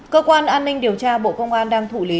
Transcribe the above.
cơ quan an ninh điều tra bộ công an đang thụ lý